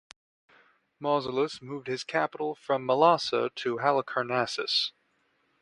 Mausolus moved his capital from Mylasa to Halicarnassus.